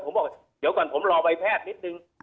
ผมบอกเดี๋ยวก่อนผมรอใบแพทย์นิดนึง